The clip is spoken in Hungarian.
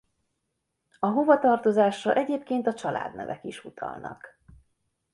A hovatartozásra egyébként a családnevek is utalnak.